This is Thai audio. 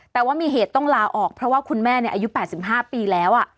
แต่ว่ามีเหตุต้องลาออกเพราะว่าคุณแม่อายุ๘๕ปีแล้ว